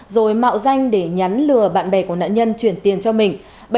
rồi mạo danh để nhắn lừa bạn bè của nạn nhân chuyển tiền cho mình